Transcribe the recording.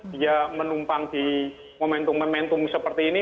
dia menumpang di momentum momentum seperti ini